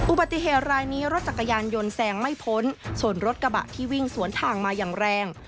อุบัติเหตุรายนี้รถจักรยานยนต์แซงไม่พ้นส่วนรถกระบะที่วิ่งสวนทางมาอย่างแรง